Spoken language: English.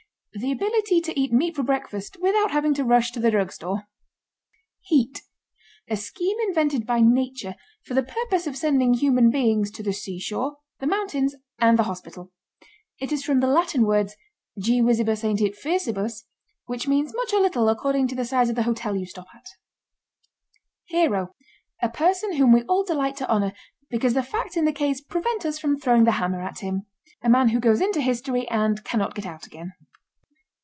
The ability to eat meat for breakfast without having to rush to the drugstore. HEAT. A scheme invented by Nature for the purpose of sending human beings to the seashore, the mountains and the hospital. It is from the Latin words "Gee Whizzibus Aintit Fierceibus?" which means much or little, according to the size of the hotel you stop at. HERO. A person whom we all delight to honor because the facts in the case prevent us from throwing the hammer at him. A man who goes into history and cannot get out again.